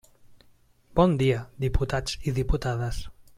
Bon dia, diputats i diputades.